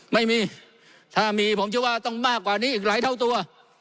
ไม่มีถ้ามีผมเชื่อว่าต้องมากกว่านี้อีกหลายเท่าตัว